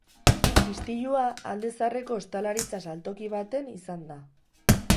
Istilua alde zaharreko ostalaritza saltoki baten izan da.